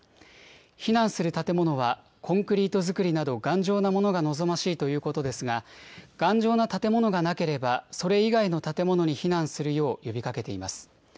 避難する建物はコンクリート造りなど、頑丈なものが望ましいということですが、頑丈な建物がなければ、それ以外の建物に避難するよう呼びかけています。